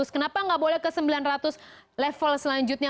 kenapa nggak boleh ke sembilan ratus level selanjutnya